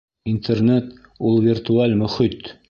— Интернет — ул виртуаль мөхит.